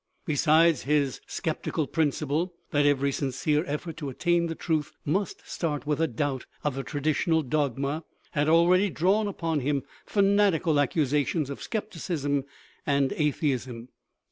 Besides, his sceptical principle, that every sincere effort to attain the truth must start with a doubt of the traditional dogma had already drawn upon him fanatical accusations of scepticism and atheism.